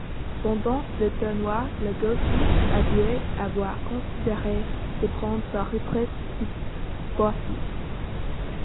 Pendant le tournoi, la golfeuse avoue avoir considéré de prendre sa retraite sportive.